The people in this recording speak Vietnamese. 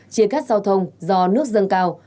chia cắt giao thông do nước dâng cao